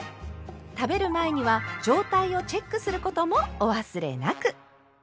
食べる前には状態をチェックすることもお忘れなく。